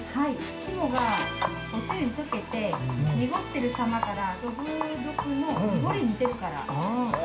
◆肝が、おつゆに溶けて濁ってるさまからどぶろくの濁りに似てるから。